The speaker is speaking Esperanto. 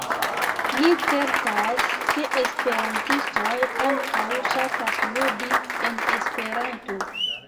Ni certas, ke esperantistoj ankaŭ ŝatas ludi en Esperanto!